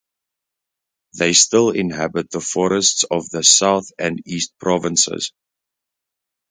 They still inhabit the forests of the south and east provinces.